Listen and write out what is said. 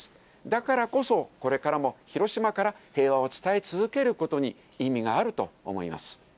だからこそ、これからも広島から平和を伝え続けることに意味があると思います。